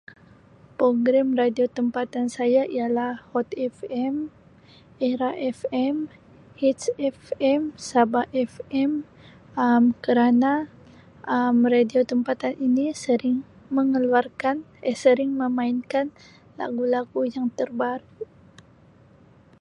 Program radio tempatan saya ialah Hot Fm, Era Fm, Hitz Fm, Sabah Fm Um kerana Um radio tempatan ini sering mengeluarkan Um sering memainkan lagu-lagu yang terbaru.